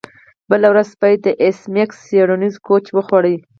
بله ورځ سپي د ایس میکس څیړنیز کوچ وخوړ